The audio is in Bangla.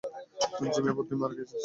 জিম, এবার তুই মারা খেয়েছিস।